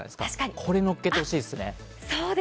これをのっけてほしいですね。